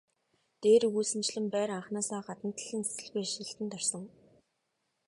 Дээр өгүүлсэнчлэн байр анхнаасаа гадна талын засалгүй ашиглалтад орсон.